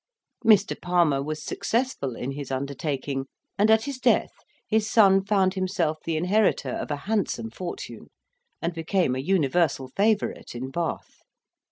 Mr. Palmer was successful in his undertaking, and at his death, his son found himself the inheritor of a handsome fortune, and became a universal favourite in Bath.